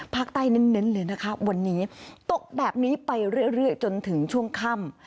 เน้นเลยนะคะวันนี้ตกแบบนี้ไปเรื่อยจนถึงช่วงค่ำ